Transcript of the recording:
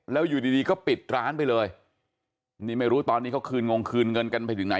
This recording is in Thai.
แล้วอยู่ดีดีก็ปิดร้านไปเลยนี่ไม่รู้ตอนนี้เขาคืนงงคืนเงินกันไปถึงไหน